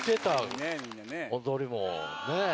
踊りもね。